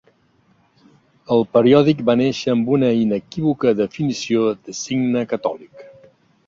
El periòdic va néixer amb una inequívoca definició del signe catòlic.